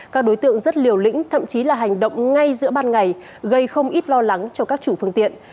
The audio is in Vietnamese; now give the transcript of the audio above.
các đối tượng rất liều lĩnh thậm chí là hành động ngay giữa ban ngày gây không ít lo lắng cho các chủ phương tiện